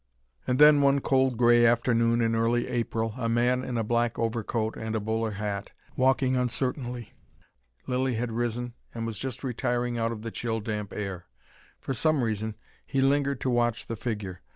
And then, one cold grey afternoon in early April, a man in a black overcoat and a bowler hat, walking uncertainly. Lilly had risen and was just retiring out of the chill, damp air. For some reason he lingered to watch the figure.